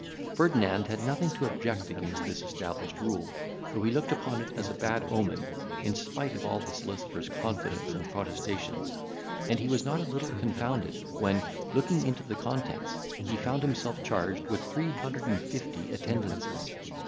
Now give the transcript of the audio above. Ferdinand had nothing to object against this established rule, though he looked upon it as a bad omen, in spite of all the solicitor's confidence and protestations; and he was not a little confounded, when, looking into the contents, he found himself charged with 350 attendances.